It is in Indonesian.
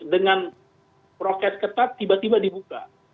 dengan prokes ketat tiba tiba dibuka